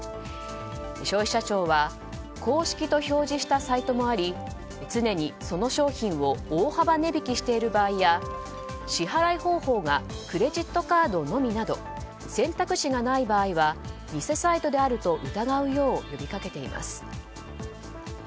消費者庁は公式と表示したサイトもあり常に、その商品を大幅値引きしている場合や支払い方法がクレジットカードのみなど選択肢がない場合は偽サイトであると疑うよう呼びかけています。